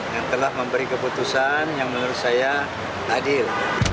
yang telah memberi keputusan yang menurut saya adil